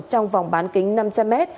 trong vòng bán kính năm trăm linh m